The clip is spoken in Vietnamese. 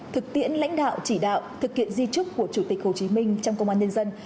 thực tiễn lãnh đạo chỉ đạo thực hiện di trúc của chủ tịch hồ chí minh trong công an nhân dân